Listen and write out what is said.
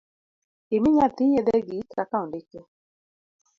Imi nyathi yedhegi kaka ondiki